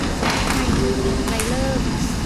นายจุติ ไกรฤกษ์